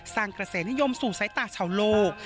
สร้างกระแสนิยมสู่สายตาชาวโลก